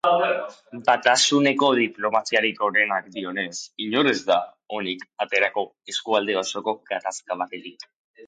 Batasuneko diplomazialari gorenak dioenez, inor ez da onik aterako eskualde osoko gatazka batetik.